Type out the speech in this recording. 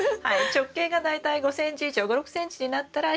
直径が大体５ｃｍ以上５６ｃｍになったら収穫して下さい。